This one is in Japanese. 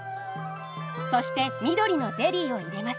そして緑のゼリーを入れます。